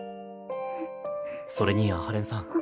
それに阿波連さん